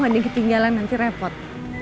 ada ketinggalan nanti repot